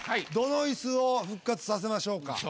どのイスを復活させましょうか？